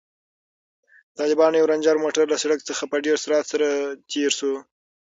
د طالبانو یو رنجر موټر له سړک څخه په ډېر سرعت سره تېر شو.